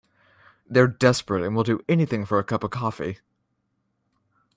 They're desperate and will do anything for a cup of coffee.